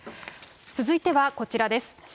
続いてはこちらです。